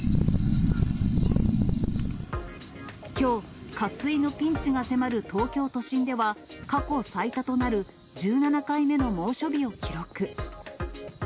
きょう、渇水のピンチが迫る東京都心では、過去最多となる１７回目の猛暑日を記録。